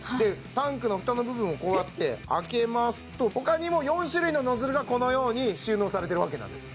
タンクの蓋の部分をこうやって開けますとほかにも４種類のノズルがこのように収納されてるわけなんです